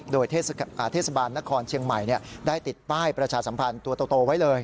โดยเทศบาลนครเชียงใหม่ได้ติดป้ายประชาสัมพันธ์ตัวโตไว้เลย